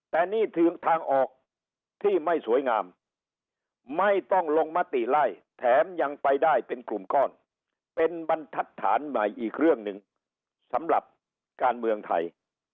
แต่นี่ถึงทางออกที่ไม่สวยงามไม่ต้องลงมติไล่แถมยังไปได้เป็นกลุ่มก้อนเป็นบรรทัศน์ใหม่อีกเรื่องหนึ่งสำหรับการเมืองไทย